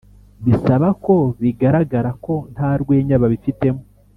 bisaba ko bigaragara ko nta rwenya babifitemo